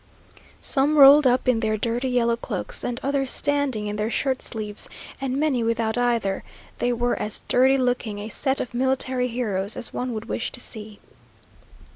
Some rolled up in their dirty yellow cloaks, and others standing in their shirt sleeves, and many without either; they were as dirty looking a set of military heroes as one would wish to see.